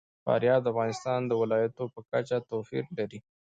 فاریاب د افغانستان د ولایاتو په کچه توپیر لري.